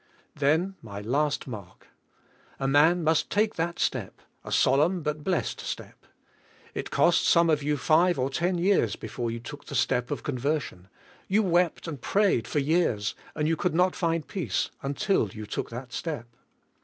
Then, my last mark. A man must take that step, a solemn but blessed step. It cost some of you five or ten years before you took the step of conversion. You wept and prayed for years, and could not find peace until you took that step.